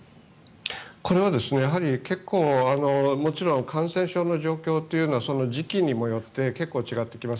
これはやはり結構もちろん感染症の状況というのは時期によって結構、違ってきます。